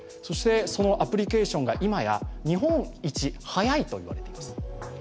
そしてそのアプリケーションが今や日本一速いといわれています。